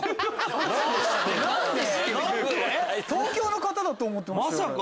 東京の方だと思ってましたよ。